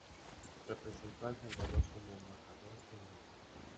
Representó a El Salvador como Embajador en Lima.